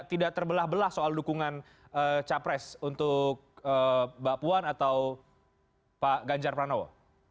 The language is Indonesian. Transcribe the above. tidak terbelah belah soal dukungan capres untuk mbak puan atau pak ganjar pranowo